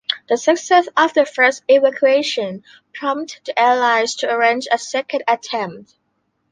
The success of the first evacuation prompted the Allies to arrange a second attempt.